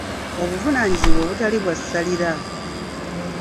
Obuvunaanyizibwa obutali bwa ssalira.